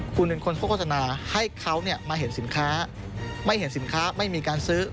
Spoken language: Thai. คุณเป็นคนโฆษณาให้เขามาเห็นสินค้าไม่เห็นสินค้าไม่มีการซื้อ